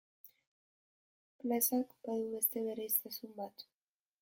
Plazak badu beste berezitasun bat.